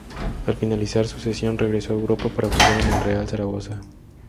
Al finalizar su cesión, regresó a Europa para jugar en el Real Zaragoza.